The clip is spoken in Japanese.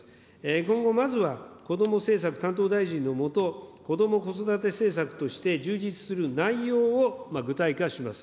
今後、まずはこども政策担当大臣の下、こども・子育て政策として充実する内容を具体化します。